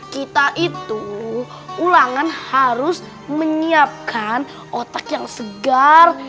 kita itu ulangan harus menyiapkan otak yang segar